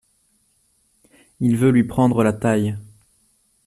Il veut lui prendre la taille.